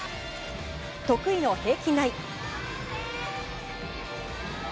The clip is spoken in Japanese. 得意の平均台。